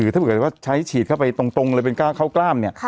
ถ้าเกิดว่าใช้ฉีดเข้าไปตรงเลยเป็นกล้าเข้ากล้ามเนี่ย